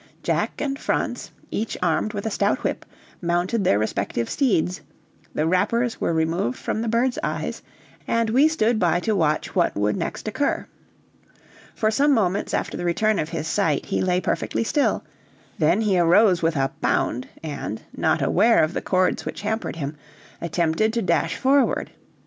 Jack and Franz, each armed with a stout whip, mounted their respective steeds, the wrappers were removed from the bird's eyes, and we stood by to watch what would next occur. For some moments after the return of his sight he lay perfectly still, then he arose with a bound and, not aware of the cords which hampered him, attempted to dash forward.